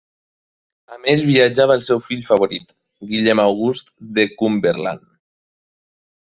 Amb ell viatjava el seu fill favorit, Guillem August de Cumberland.